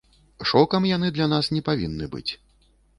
Шокам яны для нас не павінны быць.